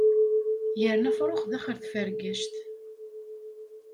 Gren afrux daxel tfergact.